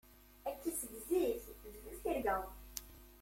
Akka seg zik, d bu tirga.